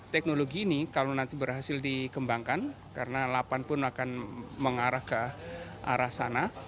teknologi ini kalau nanti berhasil dikembangkan karena lapan pun akan mengarah ke arah sana